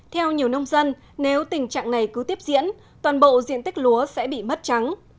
theo nhiều nông dân nếu tình trạng này cứ tiếp diễn toàn bộ diện tích lúa sẽ bị mất trắng